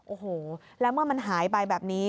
โอ้โหแล้วเมื่อมันหายไปแบบนี้